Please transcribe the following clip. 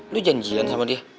lu janjian sama dia